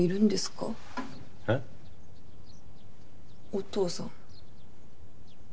お父さん。